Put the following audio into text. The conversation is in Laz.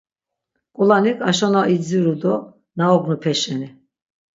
Ǩulanik aşo na idziru do na ognupe şeni...